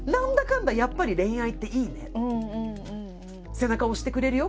背中押してくれるよ